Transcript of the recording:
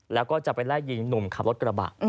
แล้วก็จะไปไล่ยิงหนุ่มขับรถกระบะ